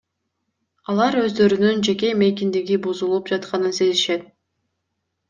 Алар өздөрүнүн жеке мейкиндиги бузулуп жатканын сезишет.